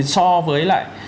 so với lại